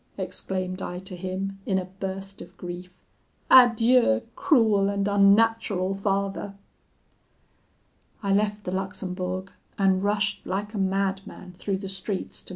exclaimed I to him, in a burst of grief, 'adieu, cruel and unnatural father!' "I left the Luxembourg, and rushed like a madman through the streets to M.